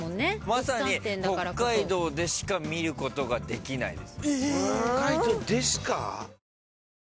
まさに「北海道でしか見ることができない」です。